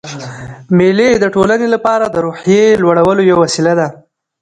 مېلې د ټولنې له پاره د روحیې لوړولو یوه وسیله ده.